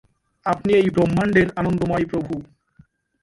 আপনি এই ব্রহ্মাণ্ডের আনন্দময় প্রভু।